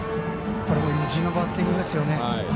これも意地のバッティングですよね。